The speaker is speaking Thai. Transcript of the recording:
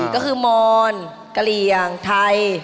๔ก็คือมอนกะเรียงไทย